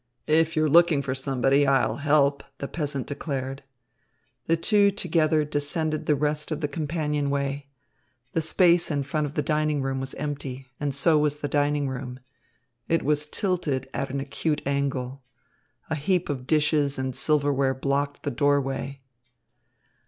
"If you're looking for somebody, I'll help," the peasant declared. The two together descended the rest of the companionway. The space in front of the dining room was empty and so was the dining room. It was tilted at an acute angle. A heap of dishes and silverware blocked the doorway.